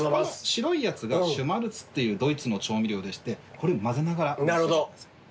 白いやつがシュマルツっていうドイツの調味料でしてこれ混ぜながらお召し上がりください。